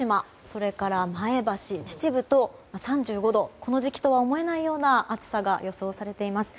それから前橋、秩父と３５度この時期とは思えないような暑さが予想されています。